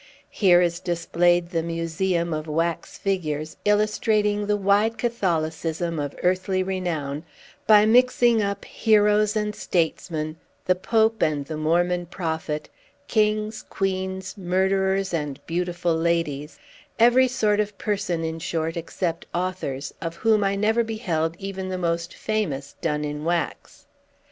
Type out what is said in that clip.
Here is displayed the museum of wax figures, illustrating the wide catholicism of earthly renown, by mixing up heroes and statesmen, the pope and the Mormon prophet, kings, queens, murderers, and beautiful ladies; every sort of person, in short, except authors, of whom I never beheld even the most famous done in wax.